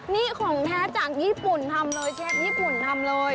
นี่ของแท้จากญี่ปุ่นทำเลยเชฟญี่ปุ่นทำเลย